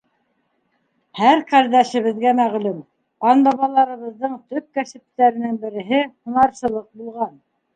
Һәр ҡәрҙәшебеҙгә мәғлүм: ҡанбабаларыбыҙҙың төп кәсептәренең береһе һунарсылыҡ булған.